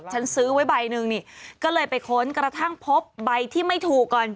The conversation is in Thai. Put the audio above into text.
ซื้อไว้ใบหนึ่งนี่ก็เลยไปค้นกระทั่งพบใบที่ไม่ถูกก่อน